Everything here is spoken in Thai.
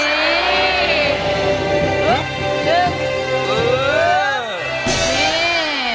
จึง